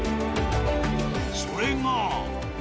それが。